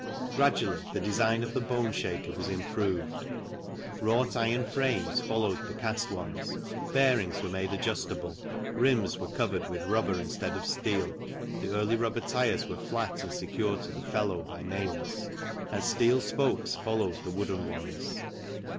Gradually the design of the boneshaker was improved, wrought iron frames followed the cast ones, bearings were made adjustable, rims were covered with rubber instead of steel (the early rubber tyres were flat and secured to the felloe by nails), and steel spokes followed the wooden ones.